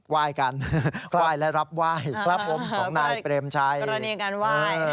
ไหว้กันไหว้และรับไหว้ครับผมของนายเปรมชัยกรณีการไหว้